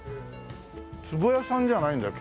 壺屋さんじゃないんだよ。